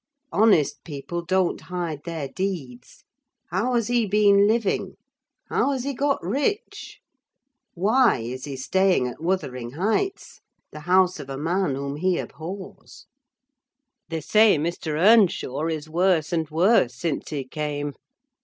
Honest people don't hide their deeds. How has he been living? how has he got rich? why is he staying at Wuthering Heights, the house of a man whom he abhors? They say Mr. Earnshaw is worse and worse since he came.